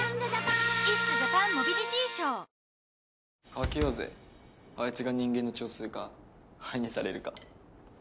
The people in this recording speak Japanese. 賭けようぜあいつが人間の血を吸うか灰にされるか。